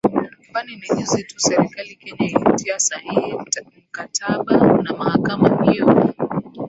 kwani ni juzi tu serikali kenya ilitia sahihi mkataba na mahakama hiyo